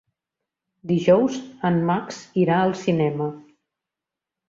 Dijous en Max irà al cinema.